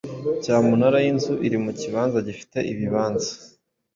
Cyamunara y’inzu iri mu kibanza gifite ibibazo